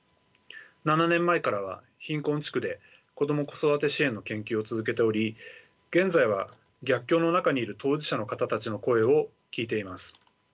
７年前からは貧困地区で子ども子育て支援の研究を続けており現在は逆境の中にいる当事者の方たちの声を聞いています。